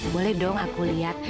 boleh dong aku lihat